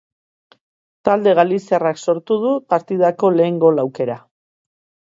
Talde galiziarrak sortu du partidako lehen gol aukera.